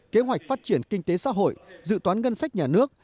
kế hoạch phát triển kinh tế xã hội dự toán ngân sách nhà nước